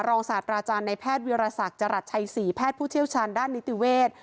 ศาสตราจารย์ในแพทย์วิรสักจรัสชัยศรีแพทย์ผู้เชี่ยวชาญด้านนิติเวศ